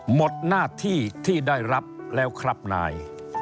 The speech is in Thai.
หมดหน้าที่ที่ได้รับแล้วครับนาย